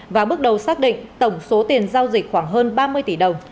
và bước đầu xác định tổng số tiền giao dịch khoảng hơn ba mươi tỷ đồng